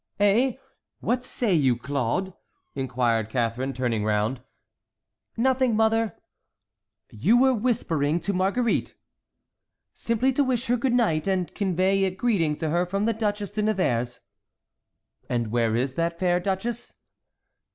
"Eh! what say you, Claude?" inquired Catharine, turning round. "Nothing, mother." "You were whispering to Marguerite." "Simply to wish her good night, and convey a greeting to her from the Duchesse de Nevers." "And where is that fair duchess?"